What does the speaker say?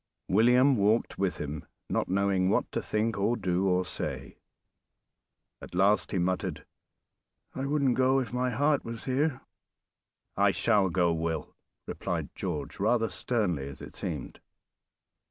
William walked with him, not knowing what to think or do or say; at last he muttered, "I wouldn't go, if my heart was here!" "I shall go, Will," replied George, rather sternly as it seemed.